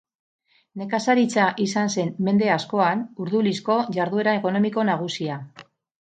Nekazaritza izan zen mende askoan Urdulizko jarduera ekonomiko nagusia.